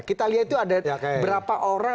kita lihat itu ada berapa orang